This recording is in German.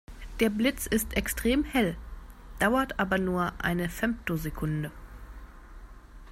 Der Blitz ist extrem hell, dauert aber nur eine Femtosekunde.